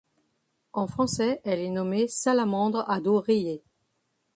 En français elle est nommée Salamandre à dos rayé.